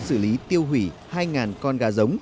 xử lý tiêu hủy hai con gà giống